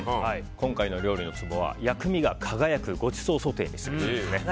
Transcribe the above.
今回の料理のツボは、薬味が輝くごちそうソテーにすべしです。